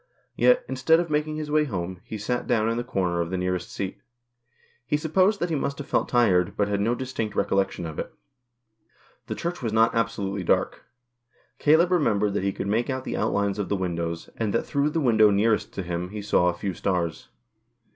Yet, instead of making his way home, he sat down in the comer of the nearest seat. He supposed that he must have felt tired, but had no distinct recollection of it. The Church was not absolutely dark. Caleb remembered that he could make out the outlines of the windows, and that through the window nearest to him he saw a few stars.